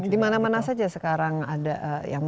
di mana mana saja sekarang ada yang